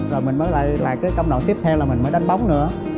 rồi mình mới lại cái công đoạn tiếp theo là mình mới đánh bóng nữa